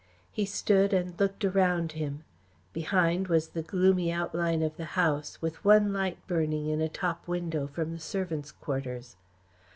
He stood and looked around him. Behind was the gloomy outline of the house, with one light burning in a top window from the servants' quarters.